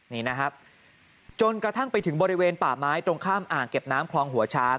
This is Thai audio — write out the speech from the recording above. นี่นะครับจนกระทั่งไปถึงบริเวณป่าไม้ตรงข้ามอ่างเก็บน้ำคลองหัวช้าง